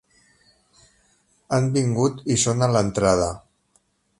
Han vingut i són a l'entrada.